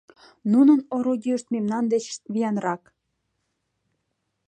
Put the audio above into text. — Нунын орудийышт мемнан деч виянрак!